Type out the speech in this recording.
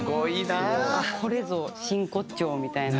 これぞ真骨頂みたいな。